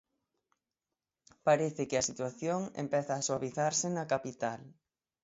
Parece que a situación empeza a suavizarse na capital.